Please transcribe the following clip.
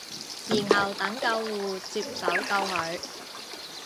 然後等救護接手救佢